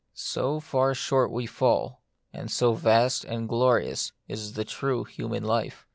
So far short we fall ; and so vast and glorious is the true human life.